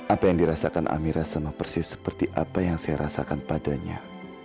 apa yang dirasakan amira sama persis seperti apa yang saya rasakan padanya